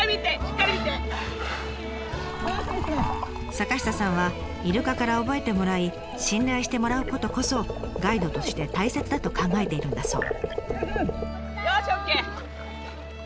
坂下さんはイルカから覚えてもらい信頼してもらうことこそガイドとして大切だと考えているんだそう。